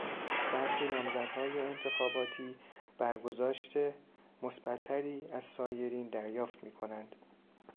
برخی نامزدهای انتخاباتیبرگذاشت مثبتتری از سایرین دریافت می کنند.